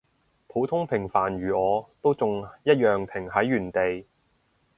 普通平凡如我，都仲一樣停喺原地